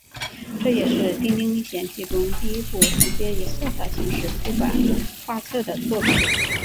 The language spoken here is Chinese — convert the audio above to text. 这也是丁丁历险记中第一部直接以彩色形式出版画册的作品。